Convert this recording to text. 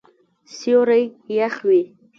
سیوری یخ وی